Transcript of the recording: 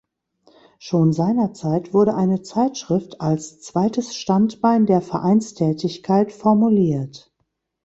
Schon seinerzeit wurde eine Zeitschrift als zweites Standbein der Vereinstätigkeit formuliert.